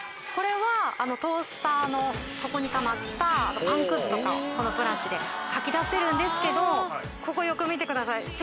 これはトースターの底にたまったパンくずとかをこのブラシでかき出せるんですけどここよく見てください。